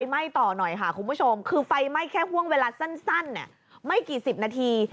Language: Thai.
ไหม้ต่อหน่อยค่ะคุณผู้ชมคือไฟไหม้แค่ห่วงเวลาสั้นไม่กี่สิบนาที